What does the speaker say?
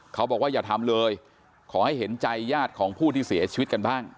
เขาบอกว่าอย่าทำเลยขอให้เห็นใจญาติของผู้ที่เสียชีวิตกันบ้าง